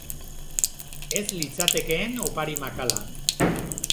Ez litzatekeen opari makala.